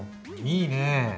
いいね。